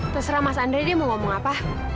terserah mas andre dia mau ngomong apa